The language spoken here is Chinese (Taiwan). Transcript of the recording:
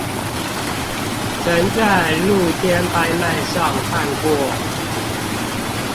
曾在露天拍賣上看過